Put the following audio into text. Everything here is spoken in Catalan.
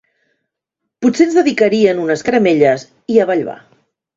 Potser ens dedicarien unes caramelles i avall va.